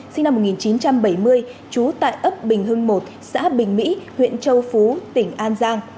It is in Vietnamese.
sinh năm một nghìn chín trăm bảy mươi trú tại ấp bình hưng một xã bình mỹ huyện châu phú tỉnh an giang